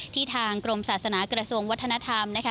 ทางกรมศาสนากระทรวงวัฒนธรรมนะคะ